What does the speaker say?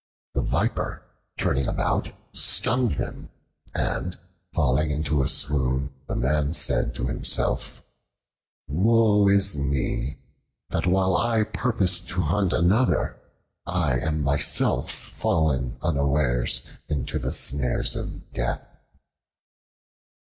The Viper, turning about, stung him, and falling into a swoon, the man said to himself, "Woe is me! that while I purposed to hunt another, I am myself fallen unawares into the snares of death."